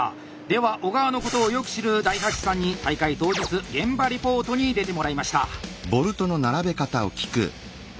では小川のことをよく知る大八さんに大会当日現場リポートに出てもらいました！